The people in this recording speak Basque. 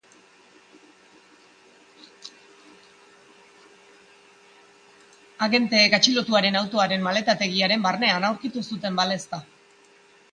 Agenteek atxilotuaren autoaren maletategiaren barnean aurkitu zuten balezta.